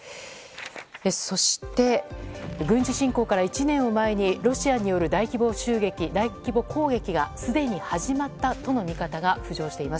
そして軍事侵攻から１年を前にロシアによる大規模攻撃がすでに始まったとの見方が浮上しています。